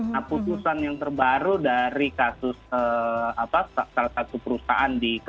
nah putusan yang terbaru dari kasus salah satu perusahaan di kpk